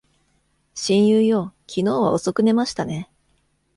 親友よ、昨日は遅く寝ましたね。